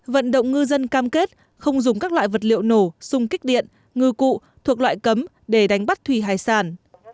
vận động ngư dân cam kết không dùng các loại vật liệu nổ sung kích điện ngư cụ thuộc loại cấm để đánh bắt thủy hải sản